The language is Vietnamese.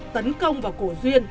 tấn công vào cổ duyên